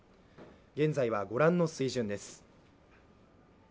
現在はご覧の水準です。